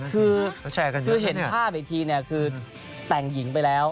คือเห็นภาพอีกทีแต่งหญิงไปแล้ว